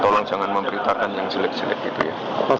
tolong jangan memberitakan yang jelek jelek gitu ya